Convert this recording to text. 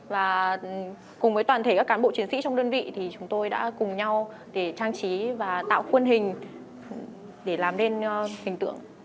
và cùng với toàn thể các cán bộ chiến sĩ trong đơn vị thì chúng tôi đã cùng nhau để trang trí và tạo khuôn hình để làm nên hình tượng